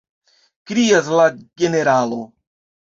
krias la generalo.